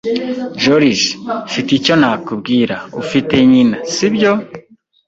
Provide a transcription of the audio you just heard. Joriji, mfite icyo nakubwira. Ufite nyina, si byo?